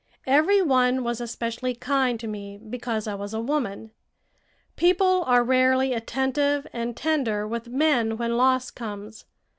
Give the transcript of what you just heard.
Every one was especially kind to me, because I was a woman. People are rarely attentive and tender with men when loss comes.